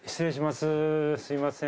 すみません